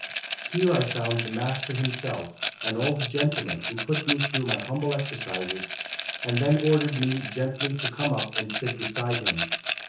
Here I found the master himself, an old gentleman, who put me through my humble exercises, and then ordered me gently to come up and sit beside him.